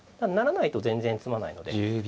成らないと全然詰まないので。